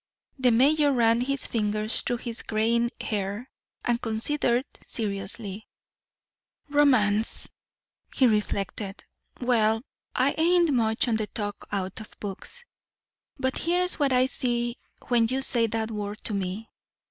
The mayor ran his fingers through his graying hair, and considered seriously. "Romance," he reflected. "Well, I ain't much on the talk out of books. But here's what I see when you say that word to me.